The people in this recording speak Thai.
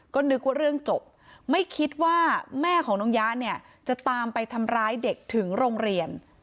ก็นึกว่าเรื่องจบไม่คิดว่าแม่ของน้องย้าเนี่ยจะตามไปทำร้ายเด็กถึงโรงเรียน